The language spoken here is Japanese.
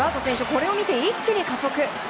これを見て、一気に加速。